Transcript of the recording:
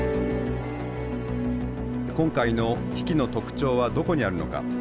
今回の危機の特徴はどこにあるのか。